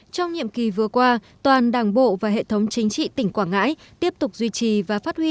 trong nhiệm kỳ vừa qua toàn đảng bộ và hệ thống chính trị tỉnh quảng ngãi tiếp tục duy trì và phát huy